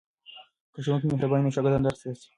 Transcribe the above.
که ښوونکی مهربان وي نو شاګردان درس ته هڅېږي.